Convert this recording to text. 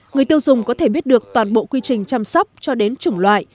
người tiêu dùng có thể biết được toàn bộ quy trình chăm sóc cho đến chủng loại